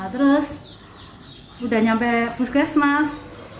terus udah nyampe puskesmas